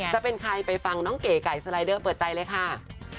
จะเป็นใครไปฟังน้องเก๋ไก่สไลเดอร์เปิดใจเลยค่ะ